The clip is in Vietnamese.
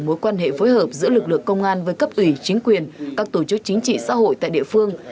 mối quan hệ phối hợp giữa lực lượng công an với cấp ủy chính quyền các tổ chức chính trị xã hội tại địa phương